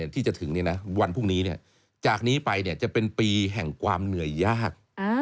ที่จะถึงวันพรุ่งนี้จากนี้ไปจะเป็นปีแห่งความเหนื่อยยาก